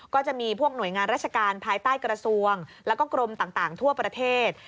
ก็จะมีพวกหน่วยงานราชการภายใต้กระทรวงแล้วก็กรมต่างทั่วประเทศ